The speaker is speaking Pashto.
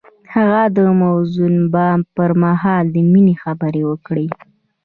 هغه د موزون بام پر مهال د مینې خبرې وکړې.